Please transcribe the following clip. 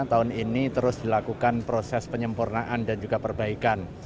tahun ini terus dilakukan proses penyempurnaan dan juga perbaikan